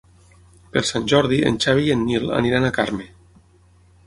Per Sant Jordi en Xavi i en Nil aniran a Carme.